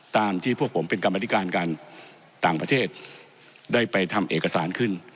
ตามที่พวกผมเป็นกรรมธิการการต่างประเทศได้ไปทำเอกสารขึ้น